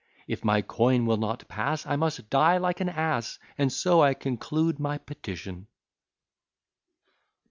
If my coin will not pass, I must die like an ass; And so I conclude my petition.